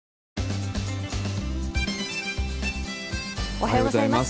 おはようございます。